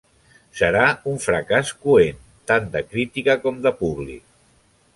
Serà un fracàs coent, tant de crítica com de públic.